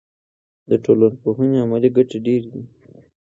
د ټولنپوهنې عملي ګټې ډېرې دي.